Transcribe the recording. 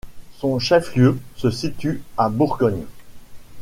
Son chef-lieu se situe à Bourgogne.